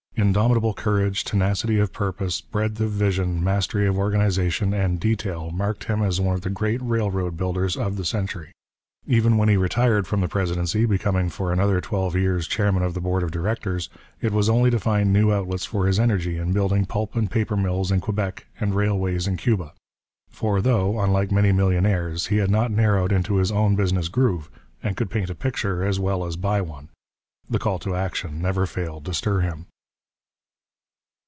Indomitable courage, tenacity of purpose, breadth of vision, mastery of organization and detail marked him as one of the great railroad builders of the century. Even when he retired from the presidency, becoming for another twelve years chairman of the board of directors, it was only to find new outlets for his energy in building pulp and paper mills in Quebec and railways in Cuba; for though, unlike many millionaires, he had not narrowed into his own business groove, and could paint a picture as well as buy one, the call to action never failed to stir him.